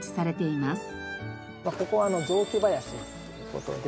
ここは雑木林という事で。